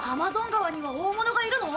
川には大物がいるの？